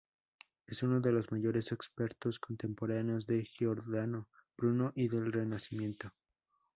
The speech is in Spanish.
Es uno de los mayores expertos contemporáneos de Giordano Bruno y del Renacimiento.